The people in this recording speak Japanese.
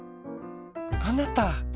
あなた！